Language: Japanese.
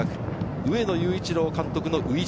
上野裕一郎監督の初陣。